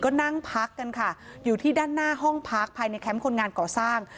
ก็นั่งพักกันค่ะอยู่ที่ด้านหน้าห้องพักภายในแคมป์คนงานก่อสร้าง